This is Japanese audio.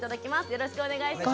よろしくお願いします。